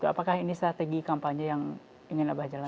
apakah ini strategi kampanye yang ingin abah jalan